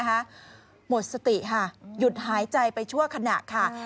หมดสติหยุดหายใจไปชั่วขนาด